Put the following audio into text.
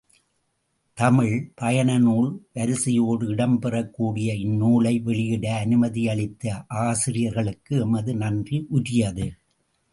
தமிழில், பயண நூல் வரிசையோடு இடம் பெறக் கூடிய இந்நூலை வெளியிட அனுமதியளித்த ஆசிரியர்க்கு எமது நன்றி உரியது.